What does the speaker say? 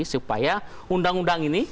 supaya undang undangnya berubah